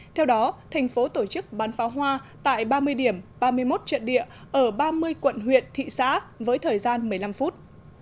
theo đó thành phố tổ chức bán pháo hoa tại ba mươi điểm ba mươi một trận địa ở ba mươi quận huyện thị xã với thời gian một mươi năm phút